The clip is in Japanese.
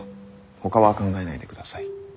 ほかは考えないでください。